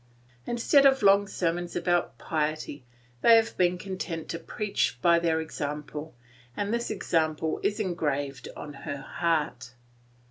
Instead of long sermons about piety, they have been content to preach by their example, and this example is engraved on her heart.